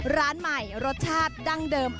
ร้านใหม่รสชาติดั้งเดิม